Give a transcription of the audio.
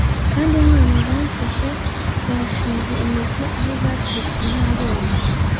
kandi inkwano zamfashe zashinze imizi aho zacitse. nareze